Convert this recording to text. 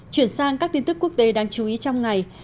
chuyển sang các tin tức quốc tế đáng chú ý trong ngày